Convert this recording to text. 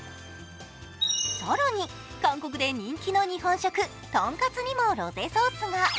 更に、韓国で人気の日本食、とんかつにもロゼソースが。